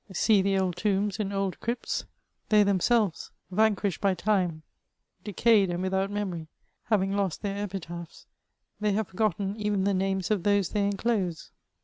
See the old tombs in old crypts ; they themselves, van quished by time, decayed and without memory, having lost uieir epitaphs, they have forgotten even the names of those they enclose.